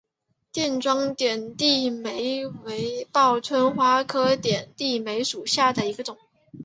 垫状点地梅为报春花科点地梅属下的一个种。